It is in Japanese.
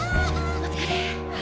お疲れ！